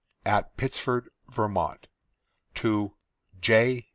_ AT PITTSFORD, VERMONT. TO J.